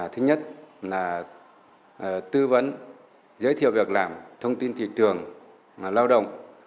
thứ nhất là tư vấn giới thiệu việc làm thông tin thị trường lao động